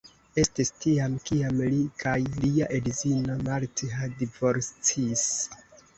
Estis tiam kiam li kaj lia edzino Martha divorcis.